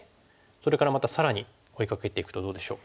それからまた更に追いかけていくとどうでしょう？